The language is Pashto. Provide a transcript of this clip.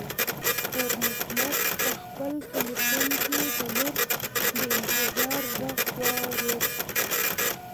خیر محمد په خپل تلیفون کې د لور د انتظار غږ واورېد.